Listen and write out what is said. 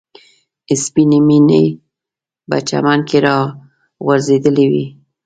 سپینې مڼې په چمن کې راغورځېدلې وې.